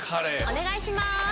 お願いします。